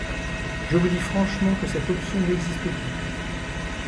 Je vous dis franchement que cette option n’existe plus.